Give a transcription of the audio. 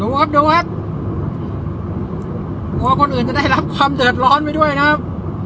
ครับดูครับกลัวคนอื่นจะได้รับความเดือดร้อนไปด้วยนะครับ